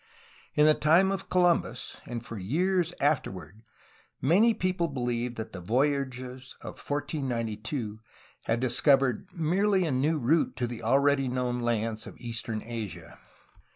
In the time of Columbus and for years afterward many people beheved that the voyagers of 1492 had discovered merely a new route to the already known lands of eastern Asia.